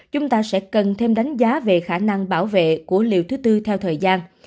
chúng ta sẽ cần thêm đánh giá về khả năng bảo vệ của liều thứ tư theo thời gian